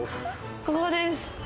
ここです。